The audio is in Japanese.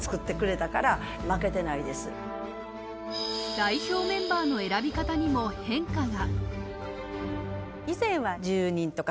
代表メンバーの選び方にも変化が。